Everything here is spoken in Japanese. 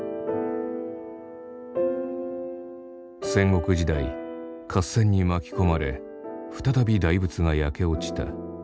戦国時代合戦に巻き込まれ再び大仏が焼け落ちた。